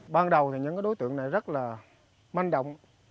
ban đầu thì những đối tượng này rất là manh động